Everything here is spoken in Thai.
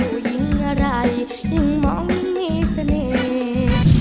ผู้หญิงอะไรยิ่งมองยิ่งมีเสน่ห์